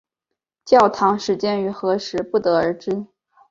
教堂始建于何时不得而知。